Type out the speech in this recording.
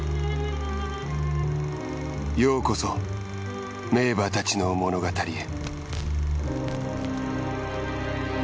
ようこそ名馬たちの物語へ。